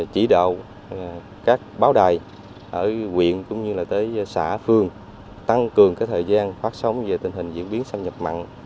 chỉ đạo các báo đài ở quyện cũng như là tới xã phương tăng cường thời gian phát sóng về tình hình diễn biến xâm nhập mặn